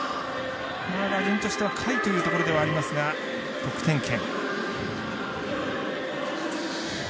打順としては下位というところではありますが得点圏。